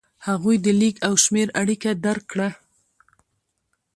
هغوی د لیک او شمېر اړیکه درک کړه.